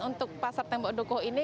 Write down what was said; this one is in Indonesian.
untuk pasar tembok dukuh ini